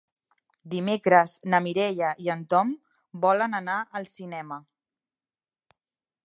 Dimecres na Mireia i en Tom volen anar al cinema.